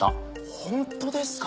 本当ですか？